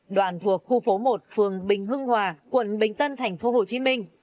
đoạn thuộc khu phố một phường bình hưng hòa quận bình tân thành phố hồ chí minh